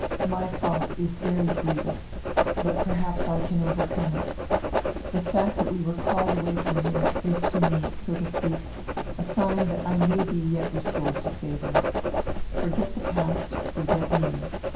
My fault is very grievous, but perhaps I can overcome it. The fact diat we were called away from here is to me, so to speak, a sign drat I may yet be restored to favor. Forget the past, forget me.